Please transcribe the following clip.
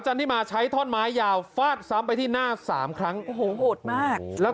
จันทิมาใช้ท่อนไม้ยาวฟาดซ้ำไปที่หน้า๓ครั้งโหหดมากแล้ว